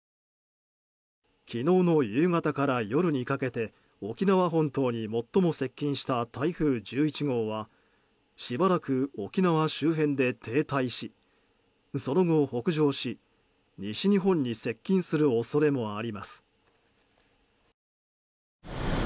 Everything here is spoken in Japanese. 昨日の夕方から夜にかけて沖縄本島に最も接近した台風１１号はしばらく沖縄周辺で停滞しその後、北上し西日本に接近する恐れもあります。